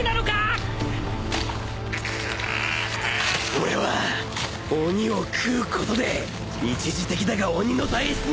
俺は鬼を食うことで一時的だが鬼の体質になれる！